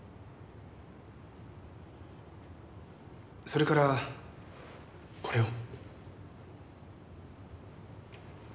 それからこれを。